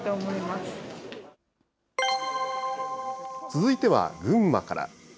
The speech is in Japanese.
続いては群馬から。